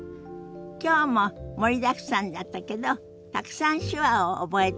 きょうも盛りだくさんだったけどたくさん手話を覚えたでしょ？